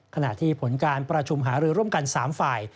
ขณะที่ผลการประชุมหารือร่วมกัน๓ฝ่าย